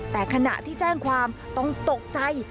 แต่ขณะที่แจ้งความต้องตกใจ